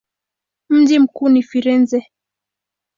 Mji mkuu ni Firenze.